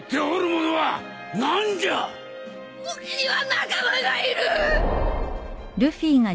俺には仲間がいる！